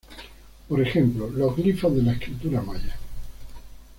Por ejemplo, los glifos de la escritura maya.